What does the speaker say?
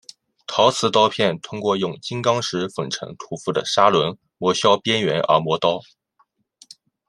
陶瓷刀片通过用金刚石粉尘涂覆的砂轮磨削边缘而磨刀。